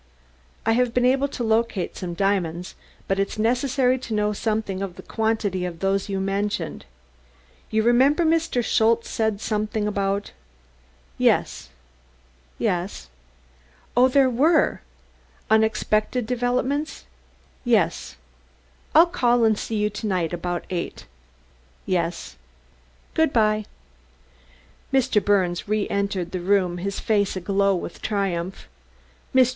... I've been able to locate some diamonds, but it's necessary to know something of the quantity of those you mentioned. You remember Mr. Schultze said something about .... Yes. ... Yes. ... Oh, there were? .. Unexpected developments, yes. ... I'll call and see you to night about eight. ... Yes. ... Good by!" Mr. Birnes reentered the room, his face aglow with triumph. Mr.